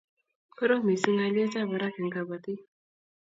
Korom mising' alyet ab barak eng' kabotik